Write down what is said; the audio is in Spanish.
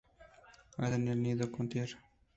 Hacen el nido con tierra.